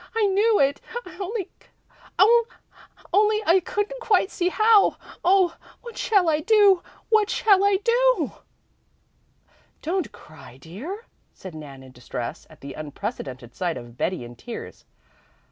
I knew it, only I couldn't quite see how. Oh, what shall I do? What shall I do?" "Don't cry, dear," said Nan in distress, at the unprecedented sight of Betty in tears.